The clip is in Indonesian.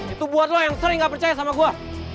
itu buat lo yang sering gak percaya sama gue